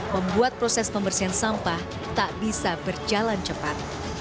membuat proses pembersihan sampah tak bisa berjalan cepat